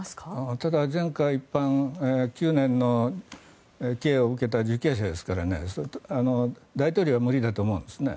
ただ、前科１犯９年の刑を受けた受刑者ですから大統領は無理だと思うんですね。